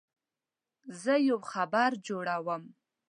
زه یو خبر جوړوم.